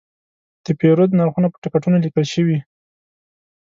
د پیرود نرخونه په ټکټونو لیکل شوي.